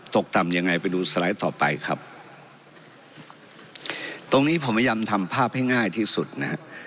ตกต่ำยังไงไปดูสไลด์ต่อไปครับตรงนี้ผมพยายามทำภาพให้ง่ายที่สุดนะฮะ